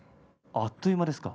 あっという間ですか？